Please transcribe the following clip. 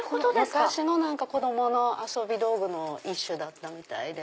昔の子供の遊び道具の一種だったみたいで。